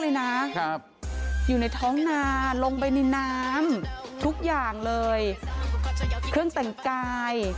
เลยนะอยู่ในท้องนาลงไปในน้ำทุกอย่างเลยเครื่องแต่งกาย